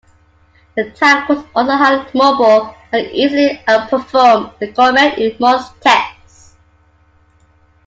The tank was also highly mobile, and easily outperformed the Comet in most tests.